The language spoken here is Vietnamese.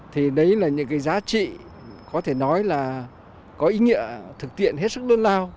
thì đấy là những cái giá trị có thể nói là có ý nghĩa thực tiện hết sức đơn lao